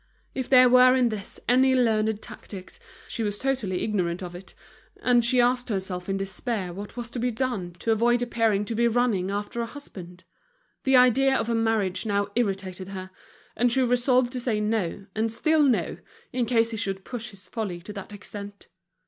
If there were in this any learned tactics, she was totally ignorant of it, and she asked herself in despair what was to be done to avoid appearing to be running after a husband. The idea of a marriage now irritated her, and she resolved to say no, and still no, in case he should push his folly to that extent.